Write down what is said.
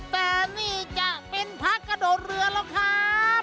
แต่นี่จะเป็นพระกระโดดเรือแล้วครับ